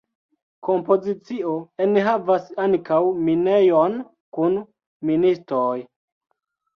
Kompozicio enhavas ankaŭ minejon kun ministoj.